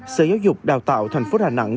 sở giáo dục đào tạo tp đà nẵng